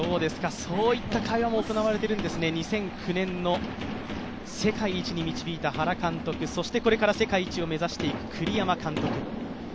そういった会話も行われているんですね、２００１年の世界一に導いた原監督、そしてこれから世界一を目指していく栗山監督。